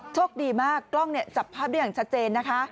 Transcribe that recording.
โชคดีมากกล้องจับภาพดีอย่างชัดเจน